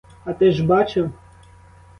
А ти ж бачив?